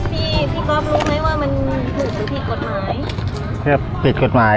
พี่ก๊อฟรู้ไหมว่ามันผิดหรือผิดกฎหมาย